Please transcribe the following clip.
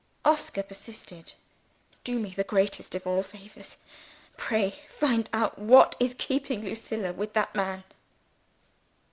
Oscar persisted. "Do me the greatest of all favors! Pray find out what is keeping Lucilla with that man!"